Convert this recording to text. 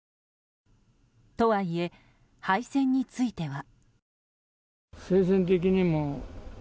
とはいえ、廃線については。